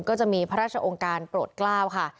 ก็จะมีพระราชองค์การโปรดกล้าวค่ะ